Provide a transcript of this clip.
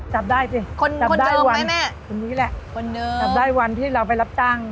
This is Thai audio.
จับได้สิคนจับคนได้รู้ไหมแม่คนนี้แหละคนเดิมจับได้วันที่เราไปรับจ้าง